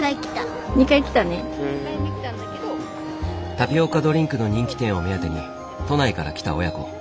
タピオカドリンクの人気店を目当てに都内から来た親子。